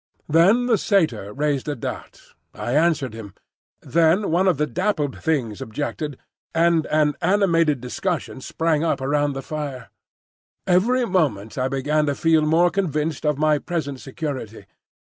Then the Satyr raised a doubt. I answered him. Then one of the dappled things objected, and an animated discussion sprang up round the fire. Every moment I began to feel more convinced of my present security.